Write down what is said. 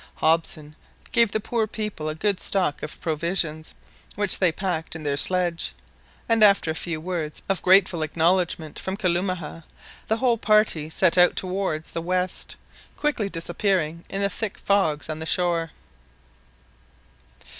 Hobson gave the poor people a good stock of provisions, which they packed in their sledge; and after a few words of grateful acknowledgment from Kalumah, the whole party set out towards the west, quickly disappearing in the thick fogs on the shore.